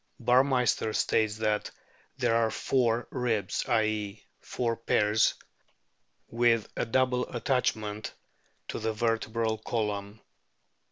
Burmeister states that there are four ribs, i.e., four pairs with a double attachment to the vertebral column.